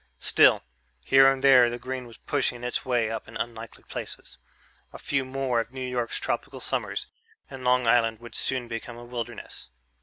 Still, here and there the green was pushing its way up in unlikely places. A few more of New York's tropical summers, and Long Island would soon become a wilderness.